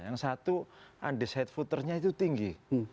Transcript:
yang satu undesight footernya itu tinggi